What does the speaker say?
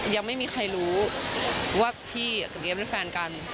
ยังไม่มีใครรู้ว่าพี่กับเยียเป็นแฟนกัน